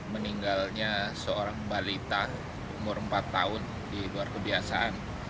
meninggalnya seorang balita umur empat tahun di luar kebiasaan